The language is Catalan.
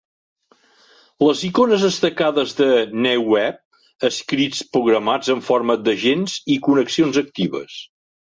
Les icones destacades de NewWave, scripts programats en forma "d'agents" i "connexions actives.